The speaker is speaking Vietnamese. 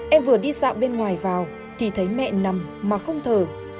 em vừa đi dạo bên ngoài vào thì thấy mẹ nằm mà không thở